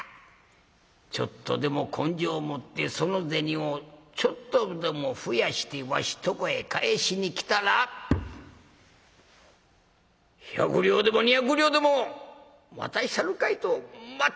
ちょっとでも根性持ってその銭をちょっとでも増やしてわしとこへ返しに来たら百両でも２百両でも渡したるかと待っとったんじゃ。